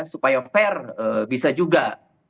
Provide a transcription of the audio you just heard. supaya fair bisa juga